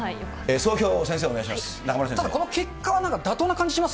総評、先生、お願いします。